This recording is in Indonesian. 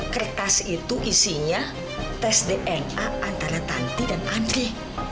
kertas itu isinya tes dna antara tanti dan andi